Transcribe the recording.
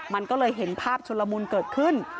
มันก็เลยเห็นภาพชุลมุนเกิดขึ้น